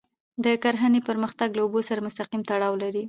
د کرهڼې پرمختګ له اوبو سره مستقیم تړاو لري.